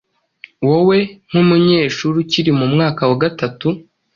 Wowe nk’umunyeshuri ukiri mu mwaka wa gatatu,